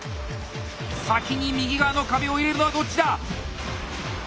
先に右側の壁を入れるのはどっちだ？